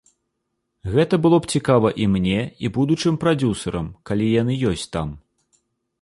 Гэта было б цікава і мне, і будучым прадзюсарам, калі яны ёсць там.